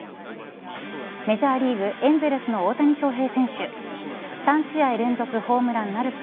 メジャーリーグエンゼルスの大谷翔平選手３試合連続ホームランなるか。